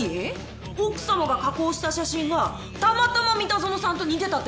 奥様が加工した写真がたまたま三田園さんと似てたって事？